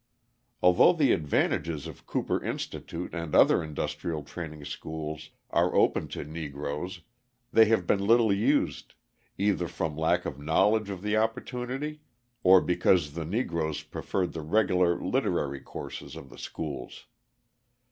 Although the advantages of Cooper Institute and other industrial training schools are open to Negroes, they have been little used, either from lack of knowledge of the opportunity, or because the Negroes preferred the regular literary courses of the schools.